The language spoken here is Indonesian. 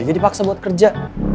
jadi paksa buat kerja